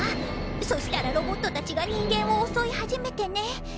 そしたらロボットたちが人間を襲い始めてね。